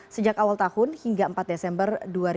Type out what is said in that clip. sejak awal tahun hingga empat desember dua ribu dua puluh